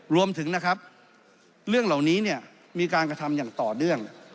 รวมถึงนะครับเรื่องเหล่านี้เนี่ยมีการกระทำอย่างต่อเนื่อง